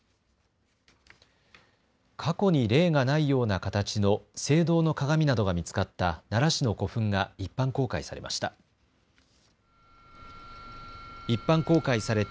過去に例がないような形の青銅の鏡などが見つかった奈良市の古墳が一般公開されました。